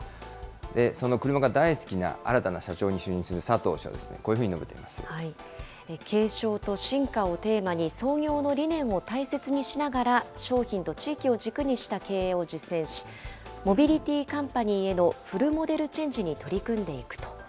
その車が大好きな新たな社長に就任する佐藤氏はこういうふうに述継承と進化をテーマに創業の理念を大切にしながら商品と地域を軸にした経営を実践し、モビリティーカンパニーへのフルモデルチェンジに取り組んでいくと。